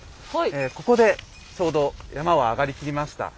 ここでちょうど山は上がりきりました。